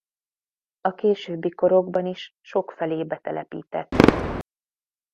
A későbbi korokban is sokfelé betelepítették.